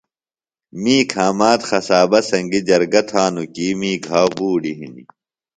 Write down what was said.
می کھامد قصابہ سنگیۡ جرگہ تھانوۡ کیۡ می گھاوۡ بوڈیۡ ہنیۡ